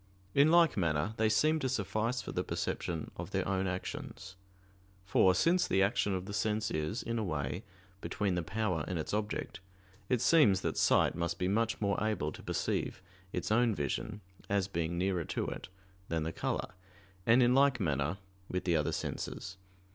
In like manner they seem to suffice for the perception of their own actions; for since the action of the sense is, in a way, between the power and its object, it seems that sight must be much more able to perceive its own vision, as being nearer to it, than the color; and in like manner with the other senses.